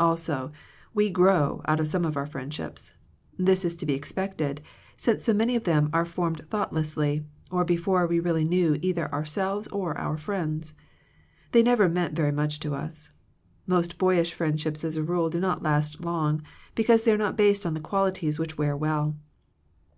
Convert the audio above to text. Also, we grow out of some of our friendships. This is to be expected, since so many of them are formed thought lessly, or before we really knew either ourselves or our friends. They never meant very much to us. Most boyish friendships as a rule do not last long, be cause they are not based on the qualities which wear well.